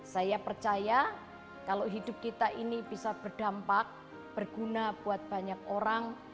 saya percaya kalau hidup kita ini bisa berdampak berguna buat banyak orang